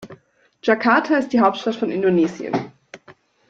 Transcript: Jakarta ist die Hauptstadt von Indonesien.